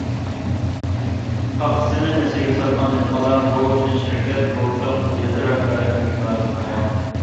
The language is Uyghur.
پاختىسىنى نېسىگە ساتقان دېھقانلار بۇ ئىشنى شىركەت تۇرۇشلۇق يېزا رەھبەرلىكىگە مەلۇم قىلغان.